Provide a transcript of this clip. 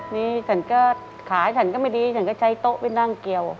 นี่ฉันก็ขาฉันก็ไม่ดีฉันก็ใช้โต๊ะไปนั่งเกี่ยว